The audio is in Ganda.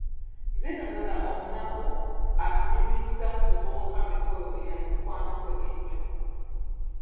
Zinunula omunaku atunyumiza ku muvubuka Mikolo eyali mukwano ggwe ennyo.